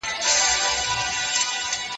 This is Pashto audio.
که ډېره ډوډۍ ماڼۍ ته یوړل سي، خوښ به سم.